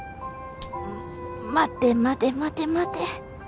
待て待て待て待て。